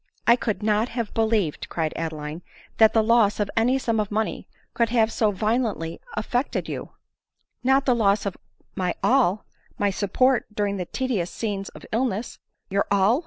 " I could not have believed," cried Adeline, " that the loss of any sum of money could have so violently affect ed you." *+#*.."■ ADELINE MOWBRAY. 150 " Not the loss of my all ! my support during the tedi ous scenes of illness !"" Your all